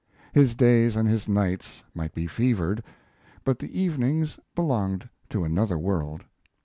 His days and his nights might be fevered, but the evenings belonged to another world.